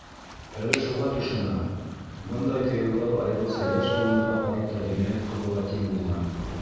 Әле шуға төшөнәм: бындай тыйыуҙар айырыуса йәш быуынға ҡарата енәйәт ҡылыуға тиң булған.